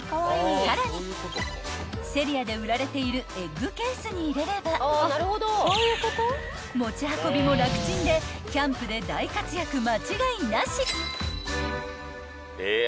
［さらにＳｅｒｉａで売られているエッグケースに入れれば持ち運びも楽チンでキャンプで大活躍間違いなし］